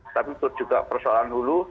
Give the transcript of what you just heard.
tapi itu juga persoalan hulu